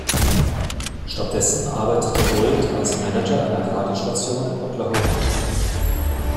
Stattdessen arbeitete Holt als Manager einer Radiostation in Oklahoma.